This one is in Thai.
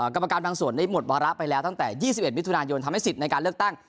กรรมการบางส่วนได้หมดวาระไปแล้วตั้งแต่๒๑มิถุนายนทำให้สิทธิ์ในการเลือกตั้ง